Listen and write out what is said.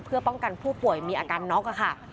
เพื่อป้องกันผู้ป่วยมีอาการน็อกค่ะ